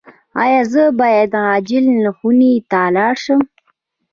ایا زه باید عاجل خونې ته لاړ شم؟